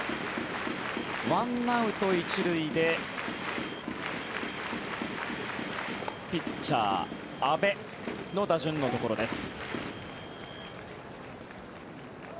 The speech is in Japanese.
１アウト１塁でピッチャー、阿部の打順のところです。